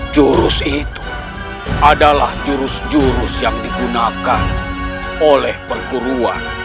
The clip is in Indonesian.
jurus itu adalah jurus jurus yang digunakan oleh perguruan